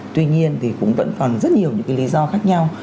tuy nhiên thì cũng vẫn còn rất nhiều những cái lý do khác nhau